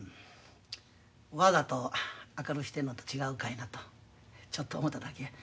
わざと明るうしてんのと違うかいなとちょっと思ただけや。